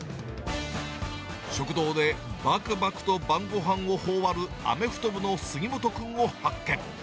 食堂でばくばくと晩ごはんをほおばるアメフト部の杉本君を発見。